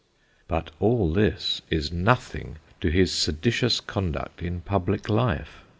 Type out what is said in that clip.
But all this is nothing to his seditious conduct in public life.